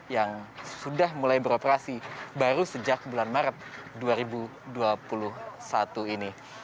yang sudah mulai beroperasi baru sejak bulan maret dua ribu dua puluh satu ini